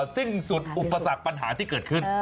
สิ้นสุดอุปสรรคปัญหาที่เกิดขึ้น